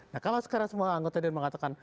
nah kalau sekarang semua anggota di sini mengatakan